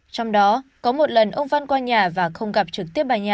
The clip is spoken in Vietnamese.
trong đó có một lần ông văn qua nhà và không gặp trực tiếp bà nhà